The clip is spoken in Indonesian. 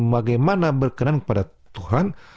bagaimana berkenan kepada tuhan